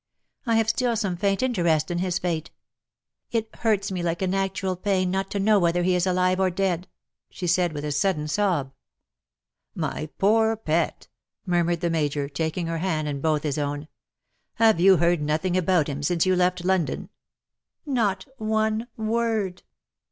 I have still some faint interest in his fate. It hurts me like an actual pain not to know whether he is alive or dead/^ she said_, with a sudden sob. " My poor pet V^ murmured the Major, taking her hand in both his own. " Have you heard nothing about him since you left London ?"" Not one word.